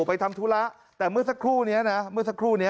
ไปทำธุระแต่เมื่อสักครู่นี้นะเมื่อสักครู่นี้